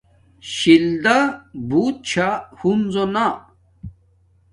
شیلدا بوت چھا ہنزو نا